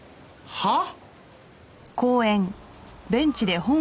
はあ？